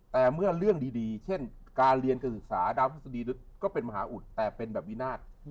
แต่เมื่อเรื่องดีเช่นการเรียนการศึกษาดาวพฤษฎีก็เป็นมหาอุดแต่เป็นแบบวินาท